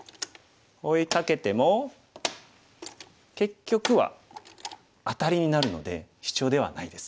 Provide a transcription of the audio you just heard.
追いかけても結局はアタリになるのでシチョウではないです。